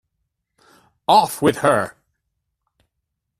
Off with her!